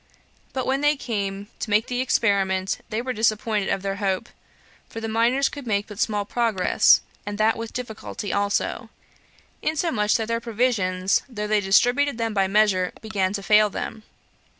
But when they came to make the experiment, they were disappointed of their hope; for the miners could make but small progress, and that with difficulty also; insomuch that their provisions, though they distributed them by measure, began to fail them.